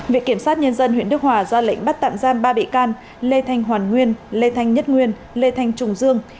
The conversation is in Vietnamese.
viện kiểm sát nhân dân huyện đức hòa ra lệnh bắt tạm giam ba bị can lê thanh hoàn nguyên lê thanh nhất nguyên lê thanh trùng dương